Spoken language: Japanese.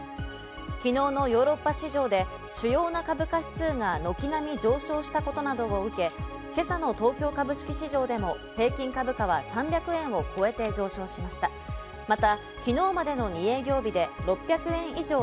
昨日のヨーロッパ市場で主要な株価指数が軒並み上昇したことなどを受け、今朝の東京株式市場でも平均株価は３００円を超えて上昇しました。